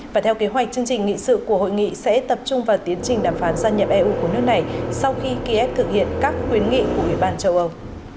và theo kế hoạch chương trình nghị sự của hội nghị sẽ tập trung vào tiến trình đàm phán gia nhập eu của nước này sau khi kiev thực hiện các khuyến nghị của ủy ban châu âu